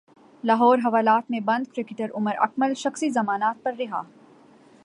لاہور حوالات مں بند کرکٹر عمر اکمل شخصی ضمانت پر رہا